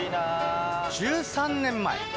１３年前！